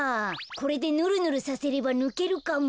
これでぬるぬるさせればぬけるかも。